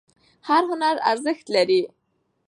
هر هنر ارزښت لري.